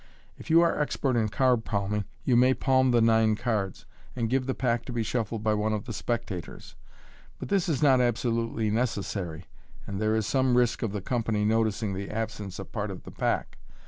If you are expert in card palming, you may palm the nine cards, and give the pack to be shuffled by one of the spectators j but this is not absolutely necessary, and there is some risk of the company noticing the absence of part of the pack.